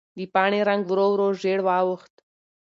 د پاڼې رنګ ورو ورو ژېړ واوښت.